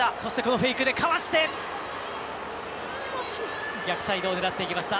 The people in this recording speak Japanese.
フェイクでかわして逆サイドを狙っていきました。